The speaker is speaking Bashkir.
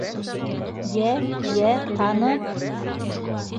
Йә, йә, таны!